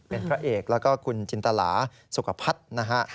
เป็นพระเอกแล้วก็คุณจินตลาสุขภัทรนะฮะ